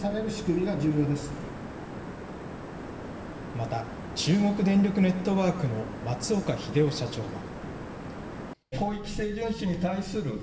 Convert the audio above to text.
また中国電力ネットワークの松岡秀夫社長は。